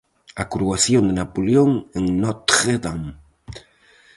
A coroación de Napoleón en Notre-Dame.